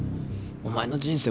お前の人生